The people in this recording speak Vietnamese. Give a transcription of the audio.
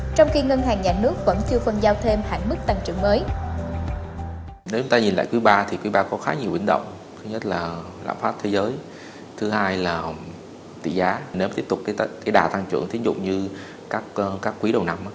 trong khi ngân hàng nhà nước vẫn chưa phân giao thêm hạn mức tăng trưởng mới